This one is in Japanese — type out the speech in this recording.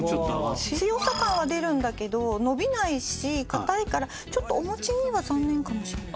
強さ感は出るんだけど伸びないしかたいからちょっとお餅には残念かもしれない。